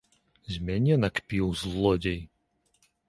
З мяне накпіў, злодзей!